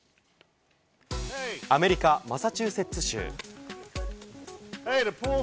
アメリカ・マサチューセッツ州。